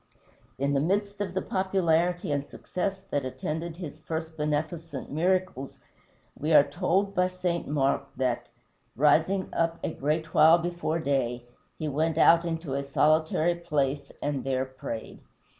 In the midst of the popularity and success that attended his first beneficent miracles, we are told by St. Mark that, "rising up a great while before day, he went out into a solitary place and there prayed."